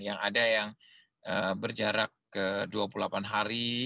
yang ada yang berjarak ke dua puluh delapan hari